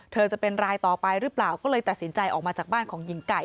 จะเป็นรายต่อไปหรือเปล่าก็เลยตัดสินใจออกมาจากบ้านของหญิงไก่